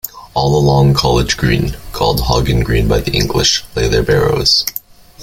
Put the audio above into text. All along College Green, called Hoggen Green by the English, lay their barrows.